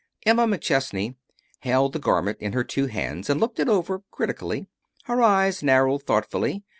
Emma McChesney held the garment in her two hands and looked it over critically. Her eyes narrowed thoughtfully.